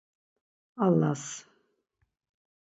Allas..